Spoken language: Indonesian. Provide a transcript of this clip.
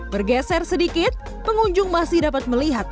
bergeser sedikit pengunjung masih dapat melihat